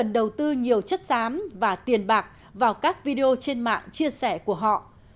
youtube cần đầu tư nhiều chất xám và tiền bạc vào các video trên mạng chia sẻ của họ